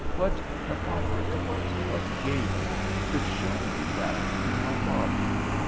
What Hippocrates, what Galen, could show me that in my body?